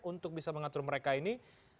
untuk bisa mengatur mereka ini